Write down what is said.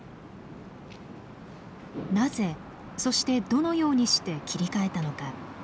なぜそしてどのようにして切り替えたのか。